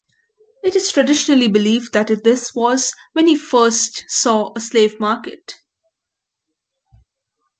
It is traditionally believed that this was when he first saw a slave market.